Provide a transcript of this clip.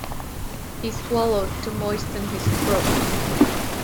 He swallowed to moisten his throat.